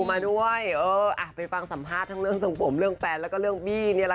อาหารเสื้อมาแล้วจ๊ะ